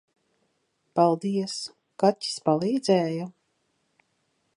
Paldies. Kaķis palīdzēja?